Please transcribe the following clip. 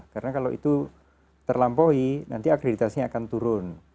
karena kalau itu terlampaui nanti akreditasi akan turun